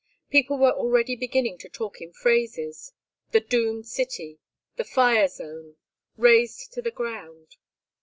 People were already beginning to talk in phrases: The doomed city. The fire zone. Razed to the ground.